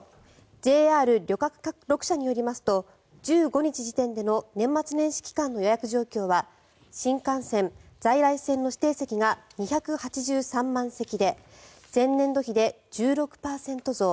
ＪＲ旅客６社によりますと年末年始期間の予約状況は新幹線、在来線の指定席が２８３万席で前年度比で１６％増。